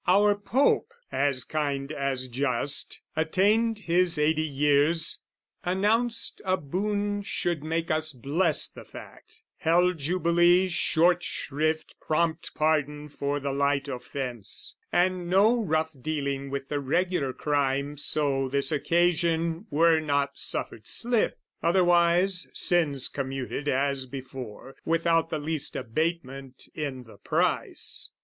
Our Pope, as kind as just, Attained his eighty years, announced a boon Should make us bless the fact, held Jubilee Short shrift, prompt pardon for the light offence, And no rough dealing with the regular crime So this occasion were not suffered slip Otherwise, sins commuted as before, Without the least abatement in the price.